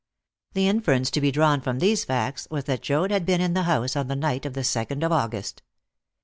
The inference to be drawn from these facts was that Joad had been in the house on the night of the second of August.